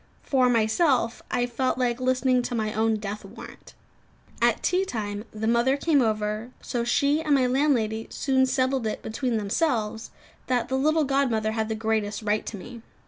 For myself, I felt like listening to my own death warrant. At tea time the mother came over; so she and my landlady soon settled it between themselves, that the little godmother had the greatest right to me.